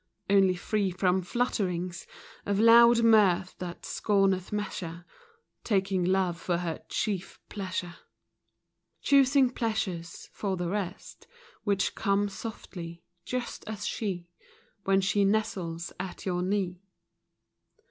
Only free from flutterings Of loud mirth that scorneth measure, — Taking love for her chief pleasure; Choosing pleasures (for the rest) Which come softly, — just as she, When she nestles at your knee.